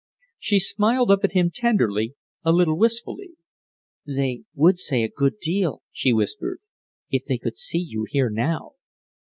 She smiled up at him tenderly, a little wistfully. "They would say a good deal," she whispered, "if they could see you here now."